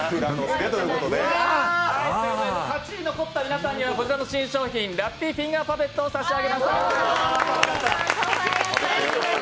８人残った皆さんにはこちらの新商品ラッピーフィンガーパペットを差し上げます。